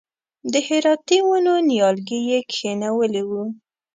د هراتي ونو نیالګي یې کښېنولي و.